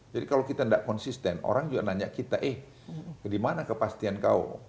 jadi kalau kita tidak konsisten orang juga nanya kita eh ke mana kepastian kau